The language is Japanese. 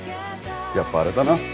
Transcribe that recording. やっぱあれだな。